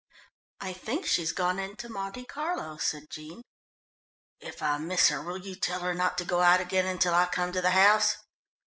"I think she's gone in to Monte Carlo," said Jean. "If I miss her will you tell her not to go out again until I come to the house?"